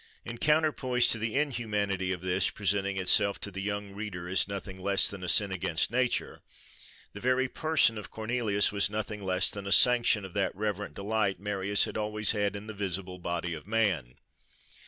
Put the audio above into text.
In counterpoise to the inhumanity of this, presenting itself to the young reader as nothing less than a sin against nature, the very person of Cornelius was nothing less than a sanction of that reverent delight Marius had always had in the visible body of man.